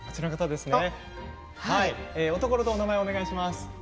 おところとお名前をお願いします。